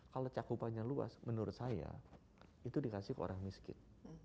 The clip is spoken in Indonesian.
kalau cakupannya luas menurut saya itu dikasih ke orang miskin